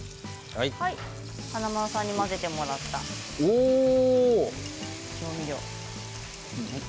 華丸さんに混ぜてもらったもの、調味料。